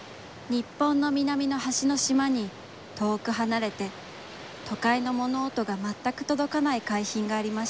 日本の南のはしの島に、遠くはなれて、都会の物音がまったくとどかない海浜がありました。